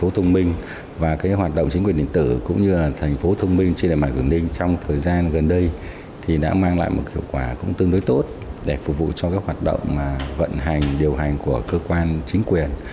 trung tâm điều hành thông minh ioc đã mang lại một hiệu quả tương đối tốt để phục vụ cho các hoạt động vận hành điều hành của cơ quan chính quyền